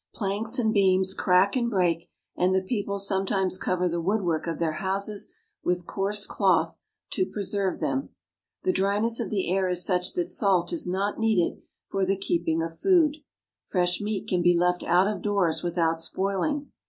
Planks and beams crack and break, and the people sometimes cover the woodwork of their houses with coarse cloth to preserve them. The dryness of the air is such that salt is not needed for the keeping of food. Fresh meat can be left out of doors without spoiling.